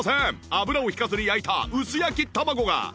油を引かずに焼いた薄焼き卵が